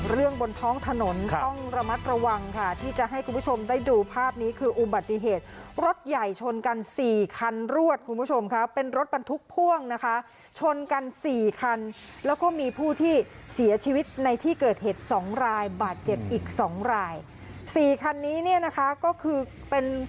บนท้องถนนต้องระมัดระวังค่ะที่จะให้คุณผู้ชมได้ดูภาพนี้คืออุบัติเหตุรถใหญ่ชนกันสี่คันรวดคุณผู้ชมค่ะเป็นรถบรรทุกพ่วงนะคะชนกันสี่คันแล้วก็มีผู้ที่เสียชีวิตในที่เกิดเหตุสองรายบาดเจ็บอีกสองรายสี่คันนี้เนี่ยนะคะก็คือเป็น